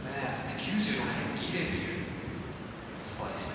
９６．２０というスコアでした。